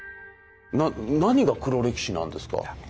何が黒歴史なんですか？